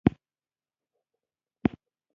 هولمز وویل سټیو ته به دا خبره قاضي ته کوې